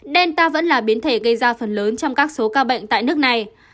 delta vẫn là biến thể gây ra phần lớn trong các số ca bệnh tại nước này